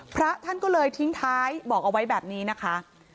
พระท่านก็เลยทิ้งท้ายบอกเอาไว้แบบนี้นะคะ